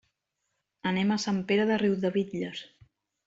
Anem a Sant Pere de Riudebitlles.